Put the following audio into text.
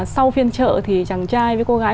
sau phiên trợ thì chàng trai với cô gái